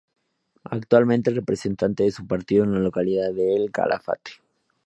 Actualmente es representante de su partido en la localidad de El Calafate.